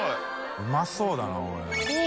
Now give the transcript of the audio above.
うまそうだなおい。